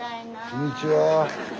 ・こんにちは。